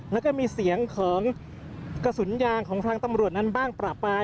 แล้วก็มีเสียงของกระสุนยางของทางตำรวจนั้นบ้างประปาย